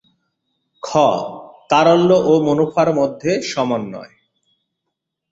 খ. তারল্য ও মুনাফার মধ্যে সমন্বয়